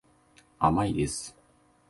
甘いです。